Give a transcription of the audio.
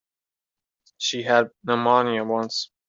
She had pneumonia once.